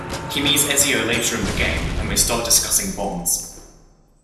He meets Ezio later in the game, and they start discussing bombs.